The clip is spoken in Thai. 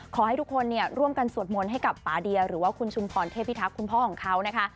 ขอให้ทุกคนเนี่ยร่วมกันสวดมนต์ให้กับป่าเดียหรือว่าคุณชุมพรเทพิทักษ์คุณพ่อของเขานะคะ